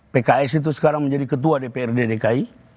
pks itu sekarang menjadi ketua dprd dki